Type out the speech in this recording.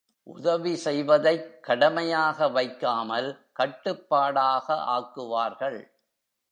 உதவி செய்வதைக் கடமையாக வைக்காமல் கட்டுப்பாடாக ஆக்குவார்கள்.